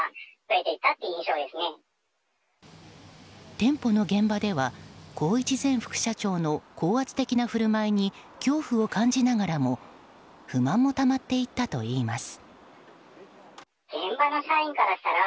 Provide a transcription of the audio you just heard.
店舗の現場では宏一前副社長の高圧的な振る舞いに恐怖を感じながらも不満もたまっていったといいます。